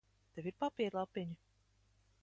Tev ir papīra lapiņa?